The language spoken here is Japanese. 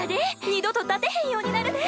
二度と立てへんようになるで！